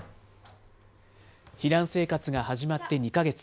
避難生活が始まって２か月。